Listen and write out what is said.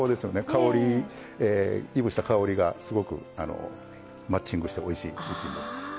香りいぶした香りがすごくマッチングしておいしい一品です。